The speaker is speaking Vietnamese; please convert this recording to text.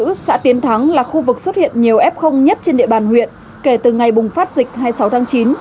nữ xã tiến thắng là khu vực xuất hiện nhiều f nhất trên địa bàn huyện kể từ ngày bùng phát dịch hai mươi sáu tháng chín